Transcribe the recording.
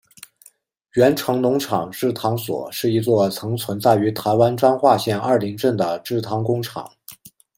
源成农场制糖所是一座曾存在于台湾彰化县二林镇的制糖工厂。